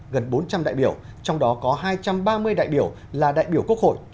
gần bốn trăm linh đại biểu trong đó có hai trăm ba mươi đại biểu là đại biểu quốc hội